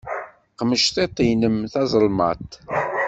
Qmec tiṭ-im tazelmaḍt.